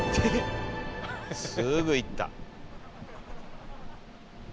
すぐ行った。